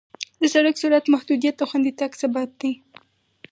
د سړک سرعت محدودیت د خوندي تګ سبب دی.